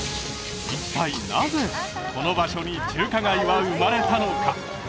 一体なぜこの場所に中華街は生まれたのか？